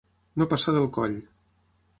No passar del coll.